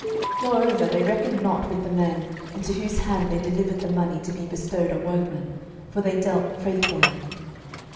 12:012:015 Moreover they reckoned not with the men, into whose hand they delivered the money to be bestowed on workmen: for they dealt faithfully.